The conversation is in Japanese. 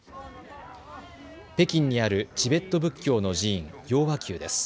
北京にあるチベット仏教の寺院、雍和宮です。